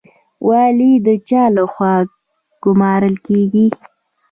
والي د چا لخوا ګمارل کیږي؟